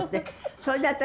それで私